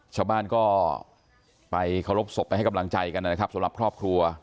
ชาวบ้านก็ไปเคารพศพไปให้กำลังใจกันนะครับสำหรับครอบครัว